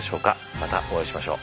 またお会いしましょう。